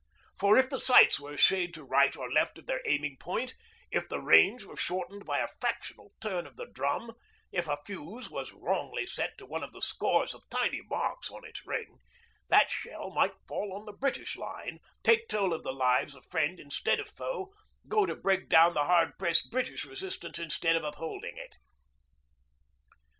For if the sights were a shade to right or left of their 'aiming point,' if the range were shortened by a fractional turn of the drum, if a fuse was wrongly set to one of the scores of tiny marks on its ring, that shell might fall on the British line, take toll of the lives of friend instead of foe, go to break down the hard pressed British resistance instead of upholding it.